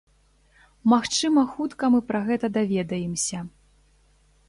Магчыма хутка мы пра гэта даведаемся.